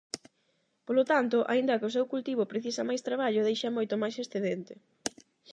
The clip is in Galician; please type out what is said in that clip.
Polo tanto, aínda que o seu cultivo precisa máis traballo, deixa moito máis excedente.